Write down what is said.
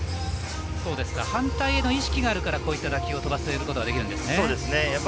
反対への意識があるからこのような打球を飛ばすことができるんですね。